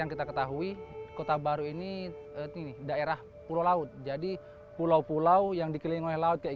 yang kita ketahui kota baru ini daerah pulau laut jadi pulau pulau yang dikelilingi laut kayak